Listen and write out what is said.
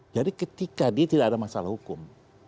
jadi ketika dia tidak ada masalah hukum